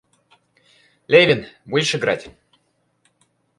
Левин, будешь играть?